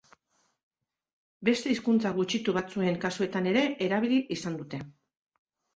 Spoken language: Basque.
Beste hizkuntza gutxitu batzuen kasuetan ere erabili izan dute.